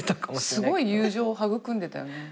すごい友情を育んでたよね。